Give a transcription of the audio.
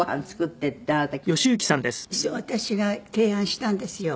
私が提案したんですよ。